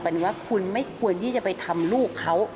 เป็นว่าคุณไม่ควรที่จะไปทำลูกเขา